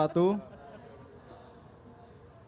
wa'alaikumussalam warahmatullahi wabarakatuh